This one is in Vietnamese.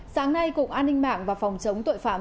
sáng nay cục an ninh mạng và phòng chống tội phạm